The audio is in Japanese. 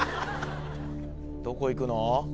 どこいくの？